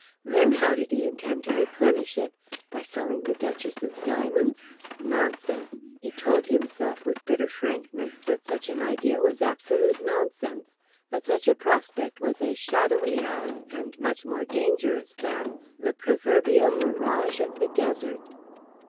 Then how did he intend to replenish it? By selling the duchess's diamonds? Nonsense! He told himself, with bitter frankness, that such an idea was absolute nonsense; that such a prospect was as shadowy as, and much more dangerous than, the proverbial mirage of the desert.